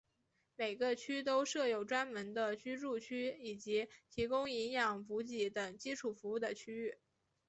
每个区都设有专门的居住区以及提供营养补给等基础服务的区域。